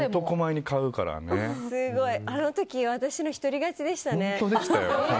あの時、私の１人勝ちでしたね。